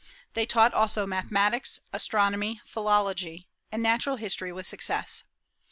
They taught also mathematics, astronomy, philology, and natural history with success.